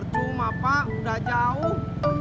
cuma pak udah jauh